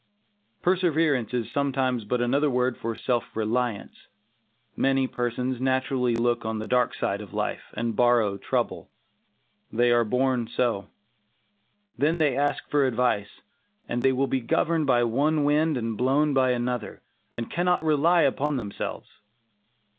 Perseverance is sometimes but another word for self reliance. Many persons naturally look on the dark side of life, and borrow trouble. They are born so. Then they ask for advice, and they will be governed by one wind and blown by another, and cannot rely upon themselves.